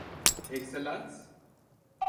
Ekselans.